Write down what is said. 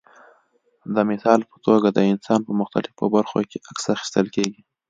د مثال په توګه د انسان په مختلفو برخو کې عکس اخیستل کېږي.